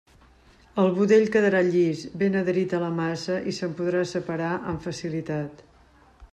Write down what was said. El budell quedarà llis, ben adherit a la massa i se'n podrà separar amb facilitat.